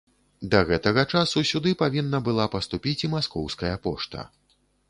Да гэтага часу сюды павінна была паступіць і маскоўская пошта.